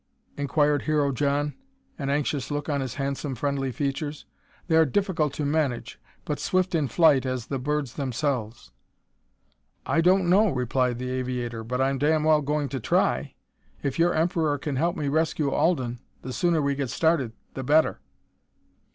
inquired Hero John, an anxious look on his handsome, friendly features. "They are difficult to manage but swift in flight as the birds themselves!" "I don't know," replied the aviator, "but I'm damn well going to try. If your Emperor can help me rescue Alden, the sooner we get started, the better."